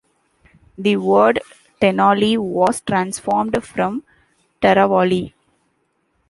The word "Tenali" was transformed from "Teravali".